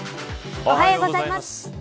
おはようございます。